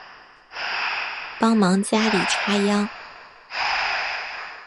帮忙家里插秧